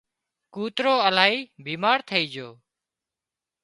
ڪوترو الاهي بيمار ٿئي جھو